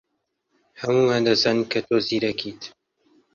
ھەموومان دەزانین کە تۆ زیرەکیت.